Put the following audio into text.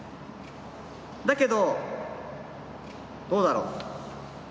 だけどどうだろう。